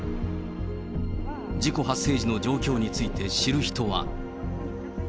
事故発生時の状況について知る人は。